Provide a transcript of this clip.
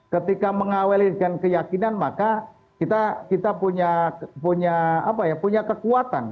ketika mengawelinkan keyakinan maka kita punya kekuatan